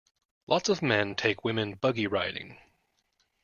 Lots of men take women buggy riding.